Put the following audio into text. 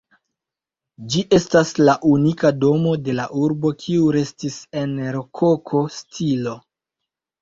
Ĝi estas la unika domo de la urbo kiu restis en rokoko stilo.